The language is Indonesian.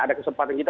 ada kesempatan kita